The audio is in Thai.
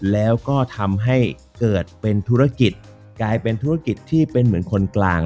แล้วก็ทำให้เกิดเป็นธุรกิจกลายเป็นธุรกิจที่เป็นเหมือนคนกลาง